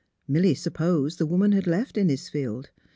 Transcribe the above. Milly supposed the woman had left Innisfield.